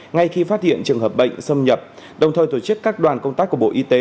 ngay khi phát hiện trường hợp bệnh xâm nhập đồng thời tổ chức các đoàn công tác của bộ y tế